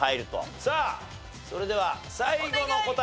さあそれでは最後の答え